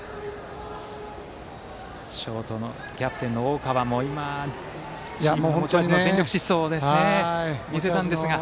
ショートのキャプテンの大川もチームのモットーの全力疾走を見せたんですが。